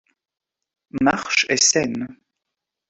Marche et scène.